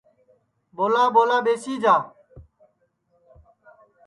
ٻولا ٻولا ٻیسی جا